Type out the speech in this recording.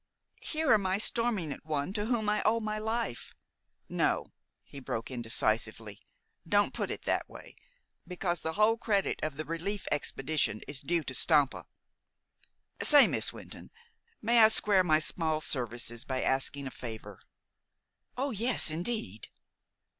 Here am I storming at one to whom I owe my life " "No," he broke in decisively. "Don't put it that way, because the whole credit of the relief expedition is due to Stampa. Say, Miss Wynton, may I square my small services by asking a favor?" "Oh, yes, indeed."